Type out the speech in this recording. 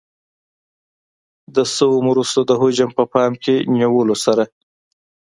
د شویو مرستو د حجم په پام کې نیولو سره.